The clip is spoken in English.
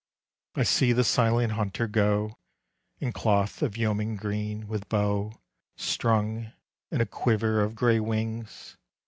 I see the silent hunter go In cloth of yeoman green, with bow Strung, and a quiver of grey wings.